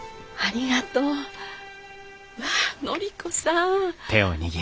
まあ紀子さん！